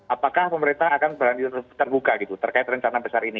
apakah pemerintah akan berani terbuka gitu terkait rencana besar ini